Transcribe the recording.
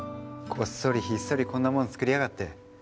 こっそりひっそりこんなもん作りやがって。